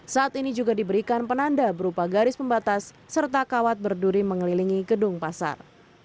saat ini juga diberikan penanda berupa garis pembatas serta kawat berduri mengelilingi gedung pasar